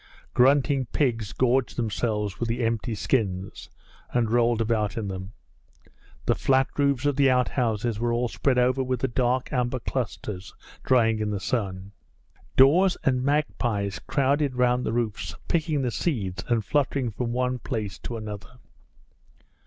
Grunting pigs gorged themselves with the empty skins and rolled about in them. The flat roofs of the outhouses were all spread over with the dark amber clusters drying in the sun. Daws and magpies crowded round the roofs, picking the seeds and fluttering from one place to another.